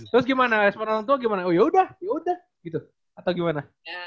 terus gimana seperti orang tua gimana oh yaudah yaudah gitu atau gimana